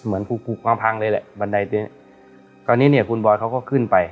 เหมือนพุกพุกมาพังเลยแหละบันไดตัวเนี้ยตอนนี้เนี้ยคุณบอสเขาก็ขึ้นไป